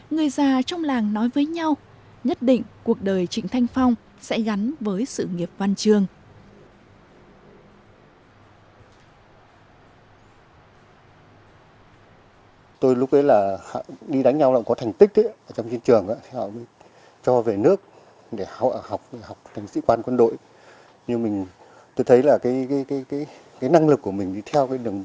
người già trong làng nói với nhau nhất định cuộc đời trịnh thanh phong sẽ gắn với sự nghiệp văn trường